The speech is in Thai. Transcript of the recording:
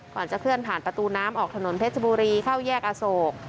ก่อนจะเคลื่อนผ่านประตูน้ำออกถนนเพชรบุรีเข้าแยกอโศก